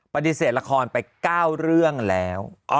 ปฏิเสธละครไป๙เรื่องแล้ว